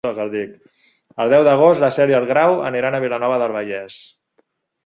El deu d'agost na Cel i en Grau aniran a Vilanova del Vallès.